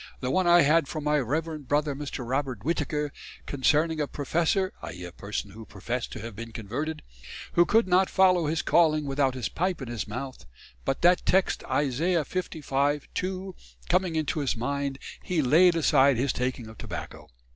The one I had from my reverend Brother Mr. Robert Whittaker, concerning a professor [i.e. a person who professed to have been "converted"] who could not follow his calling without his pipe in his mouth, but that text Isaiah 55, 2, coming into his mind hee layd aside his taking of tobacco.